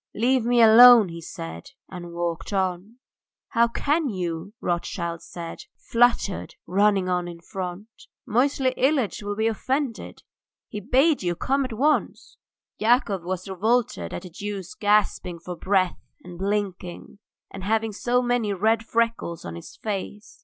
"Leave me alone," he said, and walked on. "How can you," Rothschild said, fluttered, running on in front. "Moisey Ilyitch will be offended! He bade you come at once!" Yakov was revolted at the Jew's gasping for breath and blinking, and having so many red freckles on his face.